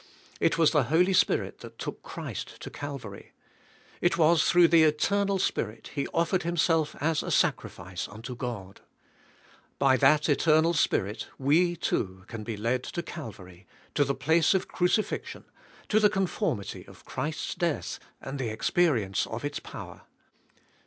It was the Holy Spirit that took 24 THK SPIRITUAI, LIFE. Christ to Calvary. It was tliroug li the eternal Spirit He offered Himself as a sacrifice unto God. By that eternal Spirit we too, can be led to Cal vary, to the place of crucifixion, to the conformity of Christ's death and the experience of its power.